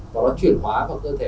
và nó chuyển hóa vào cơ thể